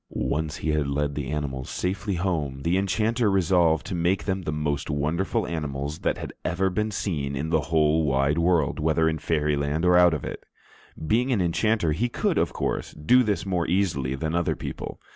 Once he had led the animals safely home, the enchanter resolved to make them the most wonderful animals that had ever been seen in the whole wide world, whether in Fairyland or out of it. Being an enchanter, he could, of course, do this more easily than other people.